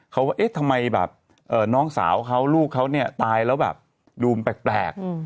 เค้าว่าทำไมแบบน้องสาวเค้าลูกเค้าตายแล้วดูแปลก